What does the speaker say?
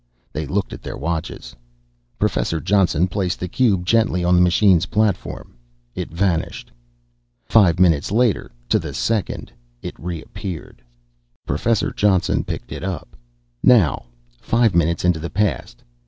They looked at their watches. Professor Johnson placed the cube gently on the machine's platform. It vanished. Five minutes later, to the second, it reappeared. Professor Johnson picked it up. "Now five minutes into the past."